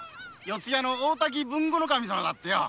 四谷の大滝豊後守様だってよ。